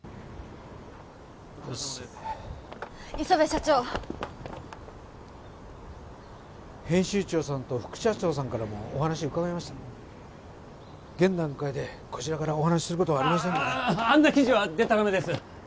磯辺社長編集長さんと副社長さんからもお話伺いました現段階でこちらからお話しすることはありませんのでああっあんな記事はデタラメです